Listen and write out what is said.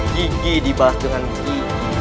gigi dibalas dengan gigi